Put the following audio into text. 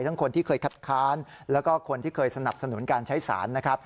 คนที่เคยคัดค้านแล้วก็คนที่เคยสนับสนุนการใช้สารนะครับ